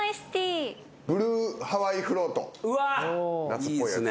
夏っぽいやつ。